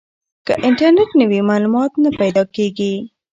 که انټرنیټ نه وي معلومات نه پیدا کیږي.